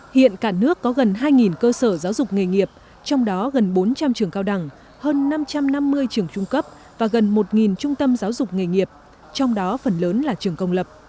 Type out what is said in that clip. hiện cả nước có gần hai cơ sở giáo dục nghề nghiệp trong đó gần bốn trăm linh trường cao đẳng hơn năm trăm năm mươi trường trung cấp và gần một trung tâm giáo dục nghề nghiệp trong đó phần lớn là trường công lập